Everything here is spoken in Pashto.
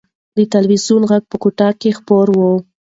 د تلویزون غږ په کوټه کې خپور و.